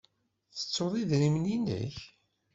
Tettuḍ idrimen-nnek?